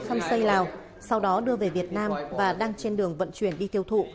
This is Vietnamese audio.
săn xây lào sau đó đưa về việt nam và đang trên đường vận chuyển đi tiêu thụ